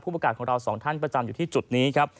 ประกาศของเราสองท่านประจำอยู่ที่จุดนี้ครับ